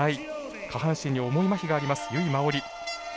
下半身に重いまひがあります、由井真緒里。